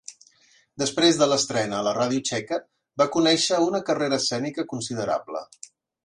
Després de l'estrena a la ràdio txeca va conèixer una carrera escènica considerable.